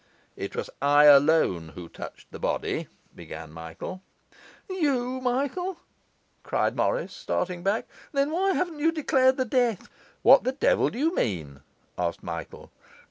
'It was I alone who touched the body,' began Michael. 'You? Michael!' cried Morris, starting back. 'Then why haven't you declared the death?' 'What the devil do you mean?' asked Michael.